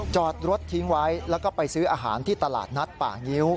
จอดรถทิ้งไว้แล้วก็ไปซื้ออาหารที่ตลาดนัดป่างิ้ว